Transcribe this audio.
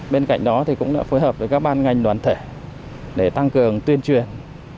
bên cạnh đó thì cũng đã phối hợp với các ban ngành đoàn thể để tăng cường tuyên truyền